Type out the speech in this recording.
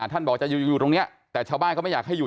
ท่านบอกจะอยู่ตรงนี้แต่ชาวบ้านเขาไม่อยากให้อยู่